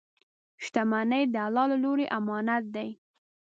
• شتمني د الله له لورې امانت دی.